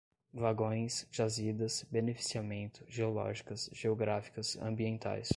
vagões, jazidas, beneficiamento, geológicas, geográficas, ambientais